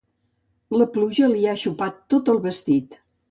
La pluja li ha xopat tot el vestit.